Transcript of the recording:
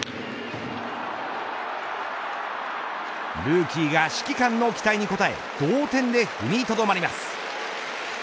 ルーキーが指揮官の期待に応え同点で踏みとどまります。